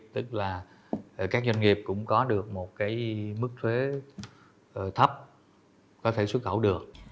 tức là các doanh nghiệp cũng có được một cái mức thuế thấp có thể xuất khẩu được